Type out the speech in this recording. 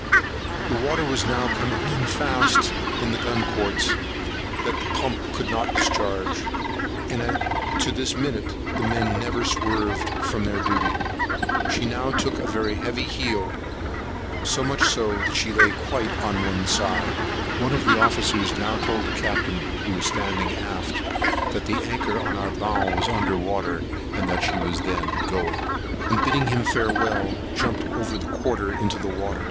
The water was now coming faster in at the gun ports than the pumps could discharge; and to this minute the men never swerved from their duty. She now took a very heavy heel, so much that she lay quite down on one side. One of the officers now told the Captain, who was standing aft, that the anchor on our bow was under water; that she was then going; and, bidding him farewell, jumped over the quarter into the water.